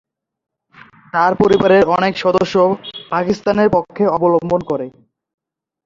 তার পরিবারের অনেক সদস্য পাকিস্তানের পক্ষ অবলম্বন করে।